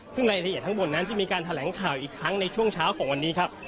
ซึ่งรายละเอียดทั้งหมดนั้นจะมีการแถลงข่าวอีกครั้งในช่วงเช้าของวันนี้ครับ